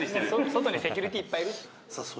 外にセキュリティーいっぱいいるじゃん。